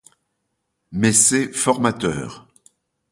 Mais c’est formateur.